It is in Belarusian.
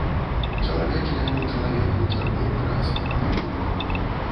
Чалавечае ў чалавеку чарговы раз перамагло.